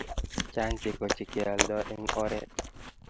chang cheko che keyaldo en oret